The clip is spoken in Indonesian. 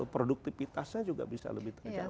produktifitasnya juga bisa lebih terjam